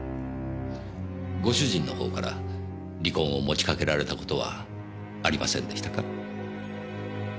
ご主人の方から離婚を持ちかけられた事はありませんでしたか？